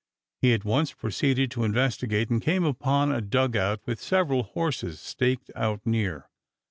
He at once proceeded to investigate and came upon a dug out with several horses staked out near.